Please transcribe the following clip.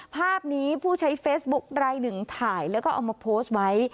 ภาพนี้ผู้ใช้เฟซบุ๊คลายหนึ่งถ่ายแล้วก็เอามาโพสต์ไว้